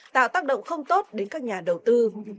tạo tác động không tốt đến các nhà đầu tư